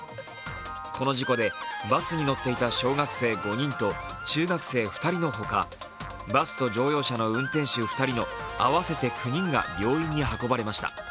この事故でバスに乗っていた小学生５人と中学生２人の他、バスと乗用車の運転手２人の合わせて９人が病院に運ばれました